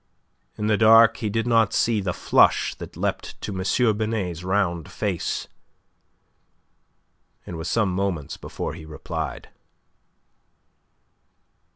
In the dark he did not see the flush that leapt to M. Binet's round face. It was some moments before he replied.